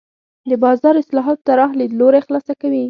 د بازار اصلاحاتو طراح لیدلوری خلاصه کوي.